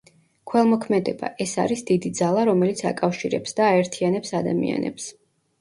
ქველმოქმედება–ეს არის დიდი ძალა, რომელიც აკავშირებს და აერთიანებს ადამიანებს.